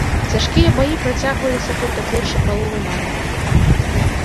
Цяжкія баі працягваліся тут да першай паловы мая.